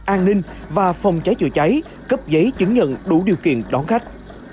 an ninh và phòng cháy chữa cháy cấp giấy chứng nhận đủ điều kiện đón khách